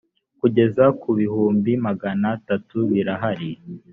kugeza ku bihumbi magana atatu birahari